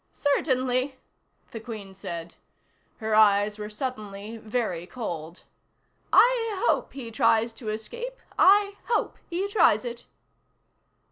"Certainly," the Queen said. Her eyes were suddenly very cold. "I hope he tries to escape. I hope he tries it."